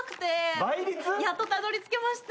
やっとたどりつけました。